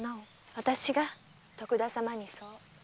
あたしが徳田様にそう。